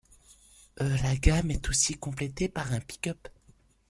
La gamme est aussi complétée par un pick-up.